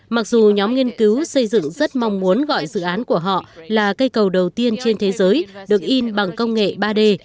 mặc dù nhóm nghiên cứu xây dựng rất mong muốn gọi dự án của họ là cây cầu đầu tiên trên thế giới được in bằng công nghệ ba d